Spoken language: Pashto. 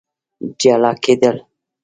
جلا کېدل